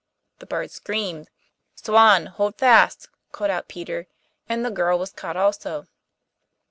The bird screamed. 'Swan, hold fast,' called out Peter, and the girl was caught also.